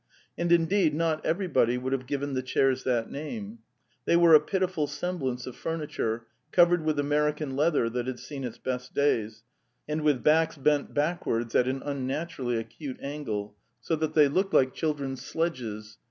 And, indeed, not everybody would have given the chairs that name. They were a pitiful semblance of furniture, covered with American leather that had seen its best days, and with backs bent backwards at an unnaturally acute angle, so that they looked like children's 190 The Tales of Chekhov sledges.